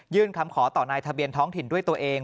คำขอต่อนายทะเบียนท้องถิ่นด้วยตัวเอง